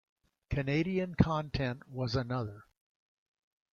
Canadian content was another.